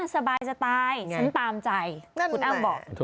สบายฉันตามใจคุณอ้ำบอก